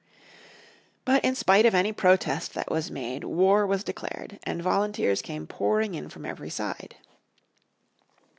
But in spite of any protest that was made war was declared, and volunteers came pouring in from every side.